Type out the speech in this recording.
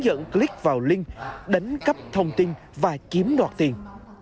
dẫn click vào link đánh cấp thông tin và kiếm đoạt tiền